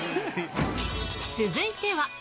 続いては。